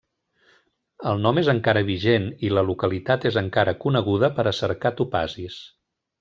El nom és encara vigent, i la localitat és encara coneguda per a cercar topazis.